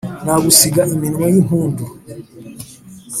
nagusiga iminwe y’impumdu